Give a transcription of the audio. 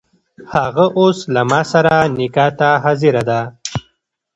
هغه اوس له ماسره نکاح ته حاضره ده.